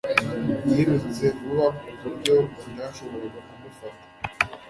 Yirutse vuba ku buryo batashoboraga kumufata.